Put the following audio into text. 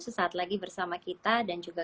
sesaat lagi bersama kita dan juga